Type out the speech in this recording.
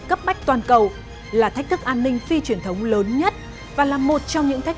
cấp bách toàn cầu là thách thức an ninh phi truyền thống lớn nhất và là một trong những thách